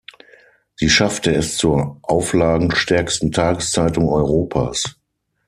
Sie schaffte es zur auflagenstärksten Tageszeitung Europas.